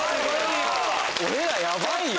俺らヤバいよ！